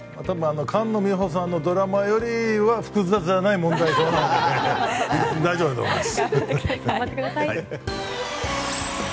多分、菅野美穂さんのドラマよりは複雑じゃない問題なので大丈夫だと思います。